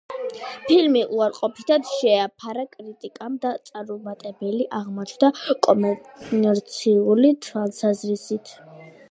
ფილმი უარყოფითად შეაფასა კრიტიკამ და წარუმატებელი აღმოჩნდა კომერციული თვალსაზრისით.